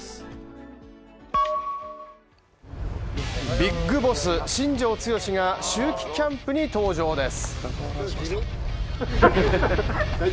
ビッグボス、新庄剛が秋季キャンプに登場です。